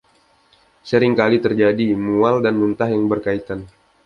Sering kali terjadi mual dan muntah yang berkaitan.